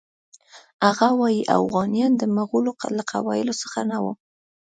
هغه وایي اوغانیان د مغولو له قبایلو څخه نه وو.